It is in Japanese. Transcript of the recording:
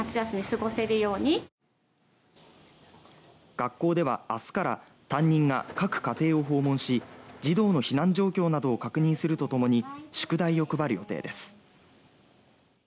学校では、明日から担任が各家庭を訪問し児童の避難状況などを確認するとともに宿題を配る予定です。